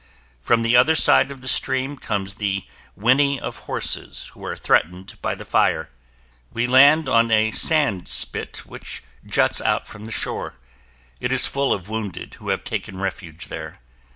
From the other side of the stream comes the whinny of horses who are threatened by the fire. We land on a sand spit which juts out from the shore. It is full of wounded who have taken refuge there.